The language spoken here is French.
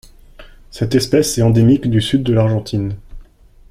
Cette espèce est endémique du Sud de l'Argentine.